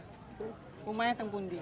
pemakamannya tempat pundi